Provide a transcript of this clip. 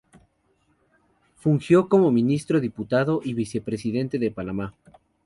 Fungió como ministro, diputado y vicepresidente de Panamá.